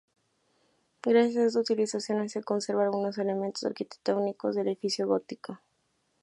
Gracias a esta utilización, hoy se conservan algunos elementos arquitectónicos del edificio gótico.